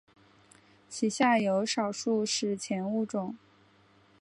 其下有少数史前物种。